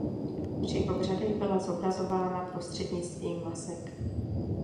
Při obřadech byla zobrazována prostřednictvím masek.